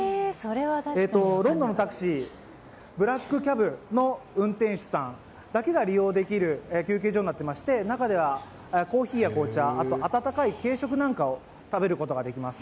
ロンドンのタクシー、ブラック・キャブの運転手さんだけが利用できる休憩所になっていまして、中ではコーヒーや紅茶、暖かい軽食なんかを食べることができます。